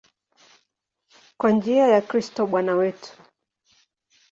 Kwa njia ya Kristo Bwana wetu.